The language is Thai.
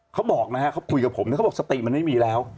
เขาบอกถึงคุยกับผมแน่สติมันไม่มีแล้ว